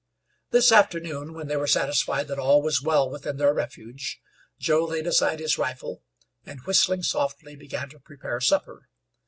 This afternoon, when they were satisfied that all was well within their refuge, Joe laid aside his rifle, and, whistling softly, began to prepare supper.